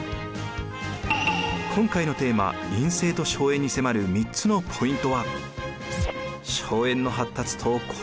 今回のテーマ「院政と荘園」に迫る３つのポイントは。